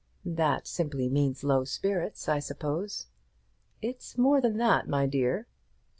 "That simply means low spirits, I suppose?" "It's more than that, my dear."